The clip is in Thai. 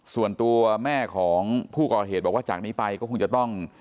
ส่วนตัวแม่ของผู้ก่อเหตุบอกว่าจากนี้ไปก็คงจะต้อง